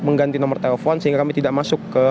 mengganti nomor telepon sehingga kami tidak masuk ke